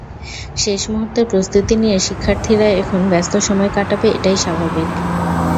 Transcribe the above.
শেষ মুহূর্তের প্রস্তুতি নিয়ে শিক্ষার্থীরা এখন ব্যস্ত সময় কাটাবে এটাই স্বাভাবিক।